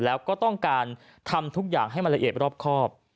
แล้วก็ต้องการทำทุกอย่างให้มันละเอียดรอบครอบ